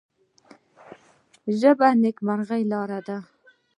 ژبه د نیکمرغۍ لاره ده